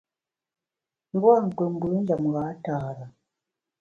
Mbua’ nkpù mbù njem gha tare.